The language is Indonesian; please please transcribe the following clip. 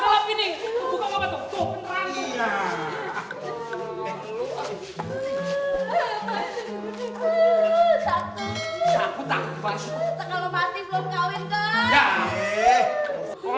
om aji ini kita mesti kemana lagi kong